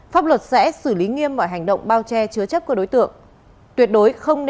pháp luật sẽ xử lý nghiêm mọi hành động bao che chứa chấp của đối tượng